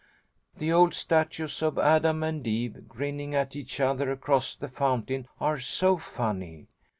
The old statues of Adam and Eve, grinning at each other across the fountain, are so funny.